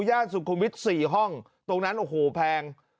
ย่านสุขุมวิทย์๔ห้องตรงนั้นโอ้โหแพง